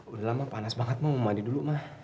udah lama panas banget mau mandi dulu mah